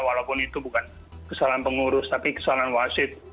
walaupun itu bukan kesalahan pengurus tapi kesalahan wasit